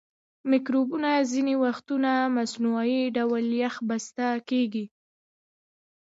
مکروبونه ځینې وختونه مصنوعي ډول یخ بسته کیږي.